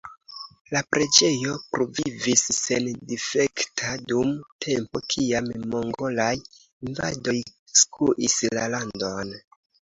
La preĝejo pluvivis sendifekta dum tempo kiam mongolaj invadoj skuis la landon.